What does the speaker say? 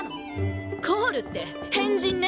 コールって変人ね。